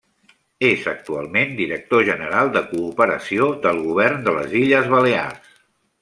És actualment director general de cooperació del Govern de les Illes Balears.